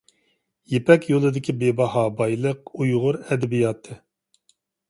يىپەك يولىدىكى بىباھا بايلىق — ئۇيغۇر ئەدەبىياتى.